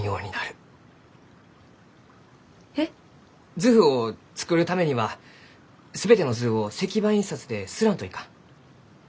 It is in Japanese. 図譜を作るためには全ての図を石版印刷で刷らんといかん。